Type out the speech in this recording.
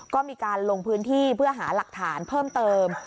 ก็มีการลงพื้นที่เพื่อหาหลักฐานเพิ่มเติม